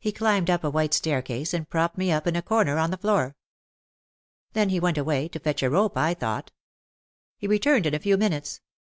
He climbed up a white staircase and propped me up in a corner on the floor. Then he went away, to fetch a rope, I thought He returned in a few minutes.